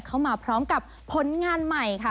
เข้ามาพร้อมกับผลงานใหม่ค่ะ